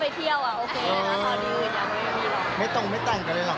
แล้วเพื่อนเขาก็แต่งแสงหน้าไปหลายคู่แล้วครับ